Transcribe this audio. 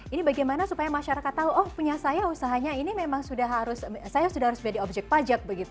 ini bagaimana supaya masyarakat tahu oh punya saya usahanya ini memang sudah harus saya sudah harus menjadi objek pajak begitu